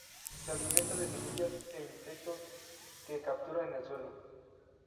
Se alimenta de semillas e insectos, que captura en el suelo.